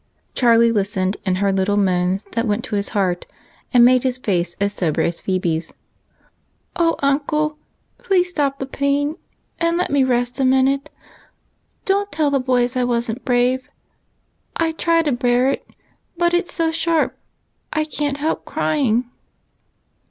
Charlie listened and heard little moans that went to his heart and made his face as sober as Phebe's. " O uncle, please stop the pain and let me rest a minute ! Don't tell the boys I wasn't brave. I try to bear it, but it 's so sharp I can't help crying."